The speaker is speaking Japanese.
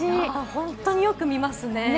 本当によく見ますね。